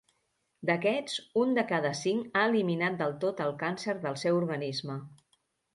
D'aquests, un de cada cinc ha eliminat del tot el càncer del seu organisme.